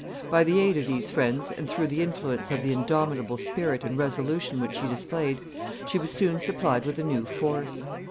By the aid of these friends, and through the influence of the indomitable spirit and resolution which she displayed, she was soon supplied with a new force.